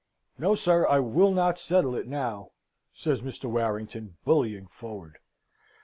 "No, Sir, I will not settle it now!" says Mr. Warrington, bullying forward.